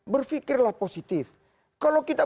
berpikirlah positif kalau kita